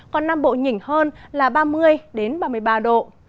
còn nam bộ nhỉnh hơn là ba mươi ba mươi ba độ